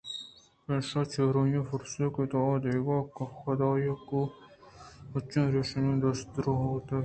پمیشا چرآئی ءَ پُرسیتے کہ تو آ دگہ حُداہاں گوں پچیں پیشانی ءَ دست ءُ درٛوہ بُوتے